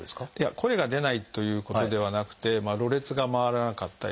声が出ないということではなくてろれつが回らなかったりとかですね